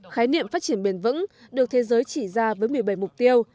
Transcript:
khái niệm phát triển bền vững được thế giới chỉ ra với một mươi bảy mục tiêu